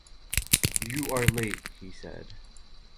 “You are late,” he said.